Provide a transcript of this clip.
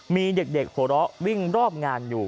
มีเด็กหัวเราะวิ่งรอบงานอยู่